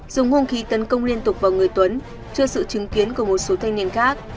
dùng hung khí tấn công liên tục vào người tuấn trước sự chứng kiến của một số thanh niên khác